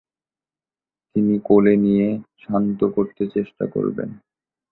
তিনি কোলে নিয়ে শান্ত করতে চেষ্টা করবেন।